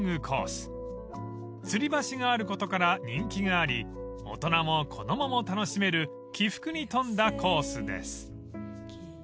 ［つり橋があることから人気があり大人も子供も楽しめる起伏に富んだコースです］